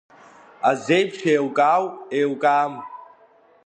Азеиԥш, еилкаау, еилкаам.